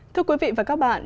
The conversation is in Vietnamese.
thưa quý vị và các bạn